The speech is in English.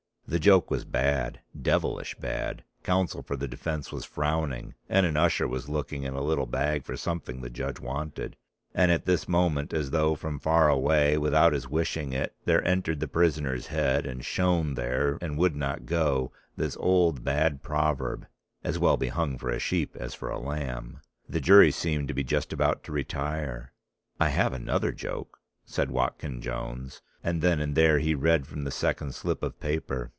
The joke was bad, devilish bad; counsel for the defence was frowning, and an usher was looking in a little bag for something the judge wanted. And at this moment, as though from far away, without his wishing it, there entered the prisoner's head, and shone there and would not go, this old bad proverb: "As well be hung for a sheep as for a lamb." The jury seemed to be just about to retire. "I have another joke," said Watkyn Jones, and then and there he read from the second slip of paper.